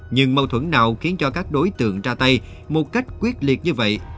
nhưng mâu thuẫn nào khiến cho các đối tượng ra tay một cách quyết liệt như vậy